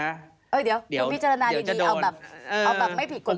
เดี๋ยวพิจารณาดีเอาแบบเอาแบบไม่ผิดกฎหมาย